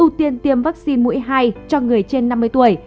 ưu tiên tiêm vaccine mũi hai cho người trên năm mươi tuổi